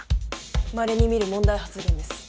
まれに見る問題発言です。